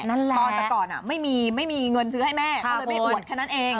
ตอนแต่ก่อนไม่มีไม่มีเงินซื้อให้แม่ก็เลยไม่อวดแค่นั้นเอง